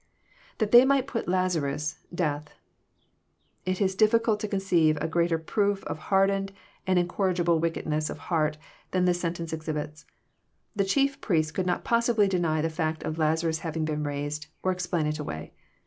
\_Th(a they might put Lazarus.,, death,] It is difficult to con ceive a greater proof of hardened and incorrigible wickedness of heart than this sentence exhibits. The chief priests could not possibly deny the fact of Lazarus having been raised, or ex plain it away.